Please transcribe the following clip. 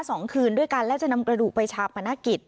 สองคืนด้วยกันและจะนำกระดูกไปชาปนกิจ